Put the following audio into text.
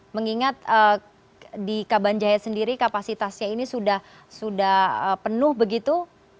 mengingat di kabanjaya sendiri kapasitasnya ini sudah penuh begitu